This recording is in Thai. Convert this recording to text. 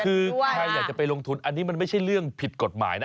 คือใครอยากจะไปลงทุนอันนี้มันไม่ใช่เรื่องผิดกฎหมายนะ